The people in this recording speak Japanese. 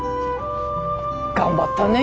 頑張ったね。